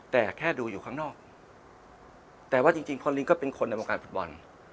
แต่แค่ดูอยู่ข้างนอกแต่ว่าจริงพอลินก็เป็นคนในวงการฟุตบอล